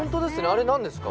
あれは何ですか？